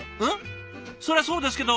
そりゃそうですけど。